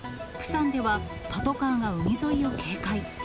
プサンでは、パトカーが海沿いを警戒。